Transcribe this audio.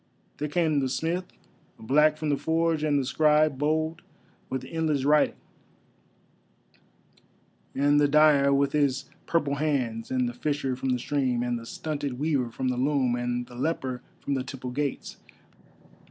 There came the smith, black from the forge, and the scribe bowed with endless writing; and the dyer with his purple hands, and the fisher from the stream; and the stunted weaver from the loom, and the leper from the Temple gates.